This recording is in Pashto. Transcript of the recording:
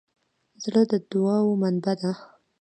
زړه د دوعا منبع ده.